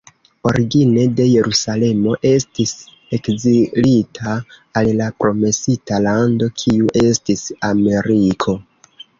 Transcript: Origine de Jerusalemo, estis ekzilita al la promesita lando kiu estis Ameriko.